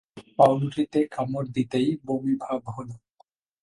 পাউরুটিতে কামড় দিতেই বমি-ভাব হল।